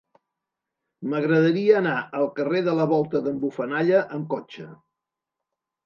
M'agradaria anar al carrer de la Volta d'en Bufanalla amb cotxe.